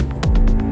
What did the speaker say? aku mau ke rumah